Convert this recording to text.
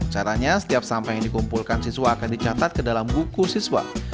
caranya setiap sampah yang dikumpulkan siswa akan dicatat ke dalam buku siswa